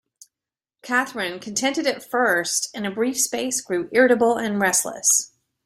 Catherine, contented at first, in a brief space grew irritable and restless.